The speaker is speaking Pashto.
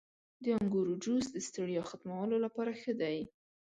• د انګورو جوس د ستړیا ختمولو لپاره ښه دی.